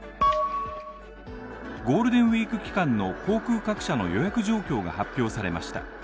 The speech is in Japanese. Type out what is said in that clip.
ゴールデンウイーク期間の航空各社の予約状況が発表されました。